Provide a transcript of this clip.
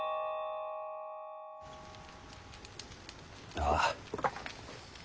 ああ。